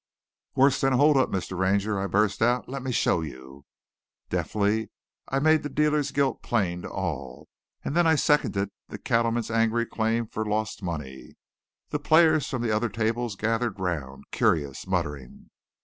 "Worse'n a hold up, Mr. Ranger," I burst out. "Let me show you." Deftly I made the dealer's guilt plain to all, and then I seconded the cattleman's angry claim for lost money. The players from other tables gathered round, curious, muttering.